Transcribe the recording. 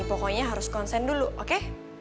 pokoknya harus konsen dulu oke